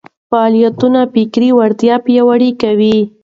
فعالیتونه فکري وړتیا پياوړې کوي.